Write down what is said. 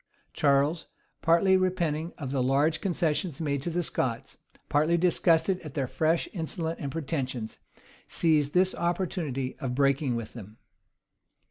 Charles, partly repenting of the large concessions made to the Scots, partly disgusted at their fresh insolence and pretensions, seized this opportunity of breaking with them.